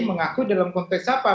mengakui dalam konteks apa